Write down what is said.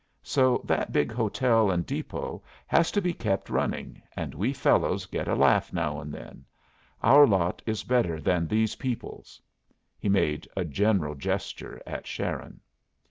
So that big hotel and depot has to be kept running, and we fellows get a laugh now and then. Our lot is better than these people's." He made a general gesture at Sharon.